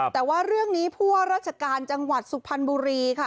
แต่ว่าเรื่องนี้ผู้ว่าราชการจังหวัดสุพรรณบุรีค่ะ